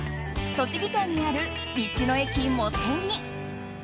栃木県にある道の駅もてぎ。